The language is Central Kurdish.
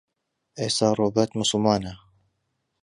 ئێستا ڕۆبەرت موسڵمانە.